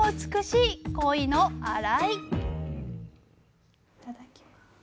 いただきます。